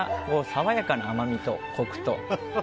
爽やかな甘みとコクと。